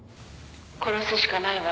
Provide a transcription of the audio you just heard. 「殺すしかないわ」